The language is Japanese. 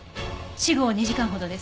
死後２時間ほどです。